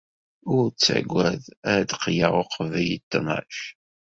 Ur ttagad, ad d-qqleɣ uqbel ttnac.